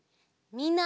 みんな。